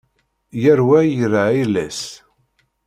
Yal wa ira ayla-s